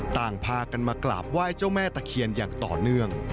ต่างพากันมากราบไหว้เจ้าแม่ตะเคียนอย่างต่อเนื่อง